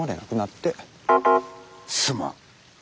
すまん。